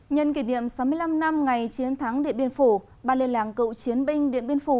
nhân kỷ niệm sáu mươi năm năm ngày chiến thắng điện biên phủ ba liên lạc cựu chiến binh điện biên phủ